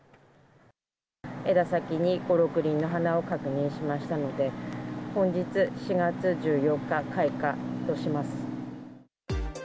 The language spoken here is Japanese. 枝先に５、６輪の花を確認しましたので、本日４月１４日、開花とします。